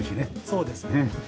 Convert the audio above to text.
そうです。